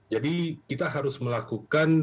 jadi kita harus melakukan